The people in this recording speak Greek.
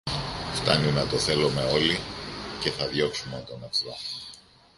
Φθάνει να το θέλομε όλοι, και θα διώξουμε τον εχθρό.